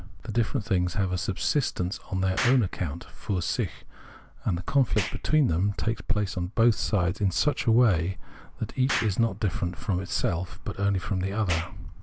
The different things have a subsistence on their own account {fur sich) ; and the conflict between them takes place on both sides in such a way that each is not different from itself, but only from the other.